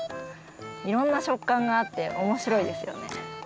いろんなしょっかんがあっておもしろいですよね。